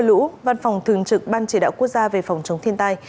với mưa lũ văn phòng thường trực ban chỉ đạo quốc gia về phòng chống thiên tai